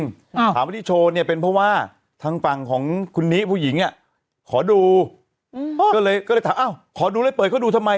ถามว่าที่โชว์เนี่ยเป็นเพราะว่าทางฝั่งของคุณนิผู้หญิงอ่ะขอดูอืมก็เลยก็เลยถามอ้าวขอดูเลยเปิดเขาดูทำไม